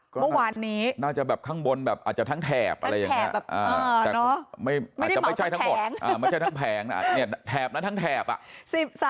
เมื่อวานนี้น่าจะแบบข้างบนแบบอาจจะทั้งแถบอาจจะไม่ใช่ทั้งแผงแถบนะทั้งแถบ